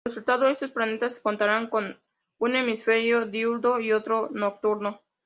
Como resultado, estos planetas contarían con un hemisferio diurno y otro nocturno.